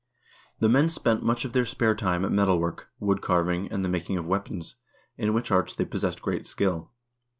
The men spent much of their spare time at metal work, wood carving, and the making of weapons, in which arts they possessed great skill.